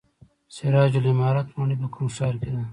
سراج العمارت ماڼۍ په کوم ښار کې ده؟